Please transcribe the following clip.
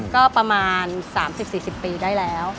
ก็ประมาณ๓๐๔๐ปีได้แล้ว